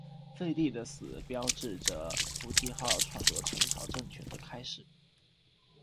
废帝的死标志着胡季牦篡夺陈朝政权的开始。